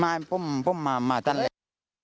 มาปุ่มปุ่มมามาตั้งแหละ